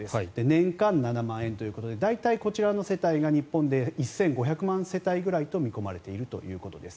年間７万円ということで大体こちらの世帯が日本で１５００万世帯ぐらいと見込まれているということです。